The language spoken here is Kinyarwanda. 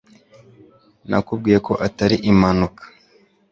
Nakubwiye ko atari impanuka